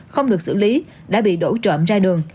không được xử lý đã bị đổ trộm ra đường